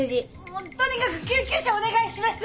もうとにかく救急車お願いします！